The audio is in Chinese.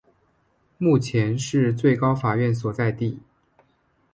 目前是最高法院所在地。